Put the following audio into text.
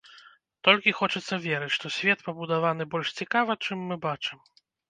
Толькі хочацца верыць, што свет пабудаваны больш цікава, чым мы бачым.